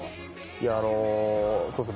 いやあのそうですね